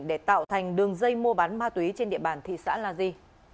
để tạo thành đường dây mua bán ma túy trên địa bàn thị xã la di